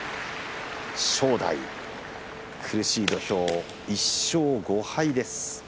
正代、苦しい土俵、１勝５敗。